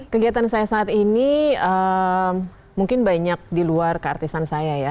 kegiatan saya saat ini mungkin banyak di luar keartisan saya ya